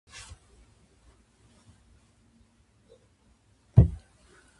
大変申し訳ございませんでした